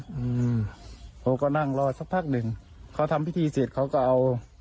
อืมเขาก็นั่งรอสักพักหนึ่งเขาทำพิธีเสร็จเขาก็เอา